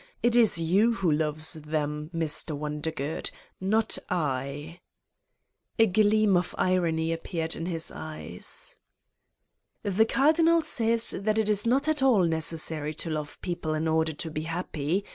It is you who loves them Mr. Wondergood, not I." A gleam of irony appeared in his eyes. "The Cardinal says that it is not at all neces sary to love people in order to be happy.